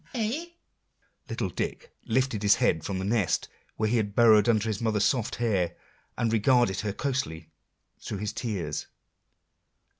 "Eh?" Little Dick lifted his head from the nest where he had burrowed under his mother's soft hair, and regarded her closely through his tears.